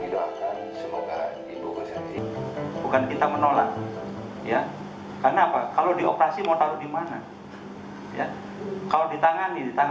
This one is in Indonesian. pelayanan kesehatan yang perorangan ini itu diatur di permenkes satu tahun dua ribu dua belas